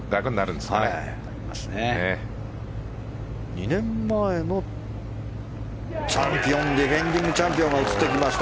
２年前のディフェンディングチャンピオンが映ってきました。